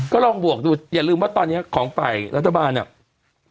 ก็ลองบวกดูอย่าลืมว่าตอนนี้ของฝ่ายรัฐบาลเนี่ย